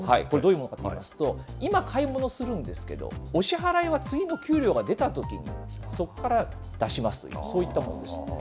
これ、どういうものかといいますと、今買い物するんですけれども、お支払いは次の給与が出たとき、そこから出しますと、そういったものです。